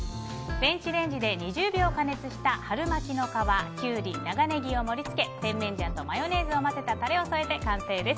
電子レンジで２０秒加熱した春巻きの皮キュウリ、長ネギを盛り付け甜麺醤とマヨネーズを混ぜたタレを添えて完成です。